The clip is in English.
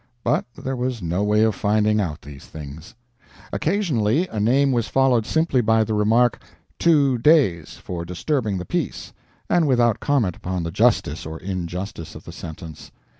But there was no way of finding out these things. Occasionally, a name was followed simply by the remark, "II days, for disturbing the peace," and without comment upon the justice or injustice of the sentence.